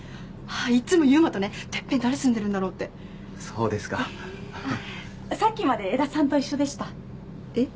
いっつも悠馬とねてっぺん誰住んでるんだろうってそうですかへえーさっきまで江田さんと一緒でしたえっ？